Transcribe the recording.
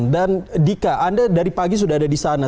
dan dika anda dari pagi sudah ada di sana